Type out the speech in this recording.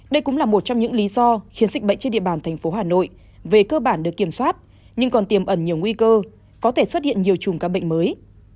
đây cũng là một trong những lý do khiến dịch bệnh trên địa bàn thành phố hà nội về cơ bản được kiểm soát nhưng còn tiềm ẩn nhiều nguy cơ có thể xuất hiện nhiều chùm các bệnh mới